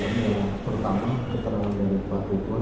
yang pertama keterangan dari pak rituan